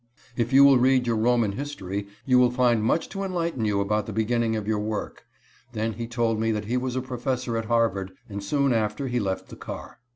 "If you will read your Roman history you will find much to enlighten you about the beginning of your work." Then he told me that he was a professor at Harvard, and soon after he left the car.